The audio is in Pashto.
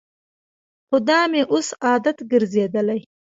خو دا مې اوس عادت ګرځېدلی.